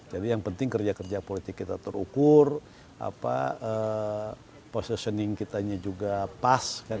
jadi yang penting kerja kerja politik kita terukur positioning kita juga pas